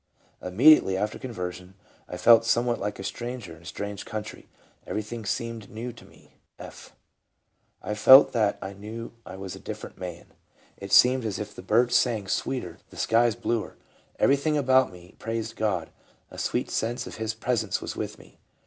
" Immediately after conversion I felt somewhat like a stranger in a strange country; everything seemed new to me." — F. " I felt and knew I was a different man. It seemed as if the birds sang 354 leuba : sweeter, the sky bluer. Everything about me praised God, and a sweet sense of His presence was with me."